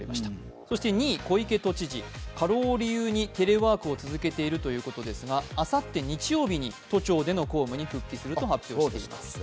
そして２位、小池都知事、過労を理由にテレワークを続けているということですが、あさって日曜日に公務に復帰するとしています。